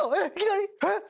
えっ？